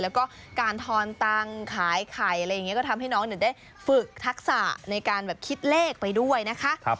แล้วก็การทอนตังค์ขายไข่อะไรอย่างนี้ก็ทำให้น้องได้ฝึกทักษะในการแบบคิดเลขไปด้วยนะคะ